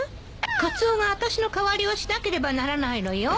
カツオがあたしの代わりをしなければならないのよ。